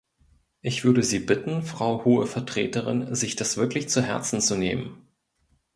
Ich würde Sie bitten, Frau Hohe Vertreterin, sich das wirklich zu Herzen zu nehmen!